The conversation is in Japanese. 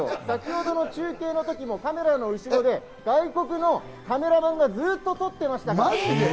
先ほどの中継の時もカメラの後ろで外国のカメラマンがずっと撮っていました。